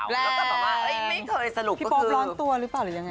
แล้วก็แบบว่าไม่เคยสรุปพี่โป๊บร้อนตัวหรือเปล่าหรือยังไง